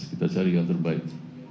kita cari yang terbaik